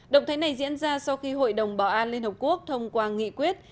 động thái này diễn ra sau khi hội đồng bảo an liên hợp quốc thông qua nghị quyết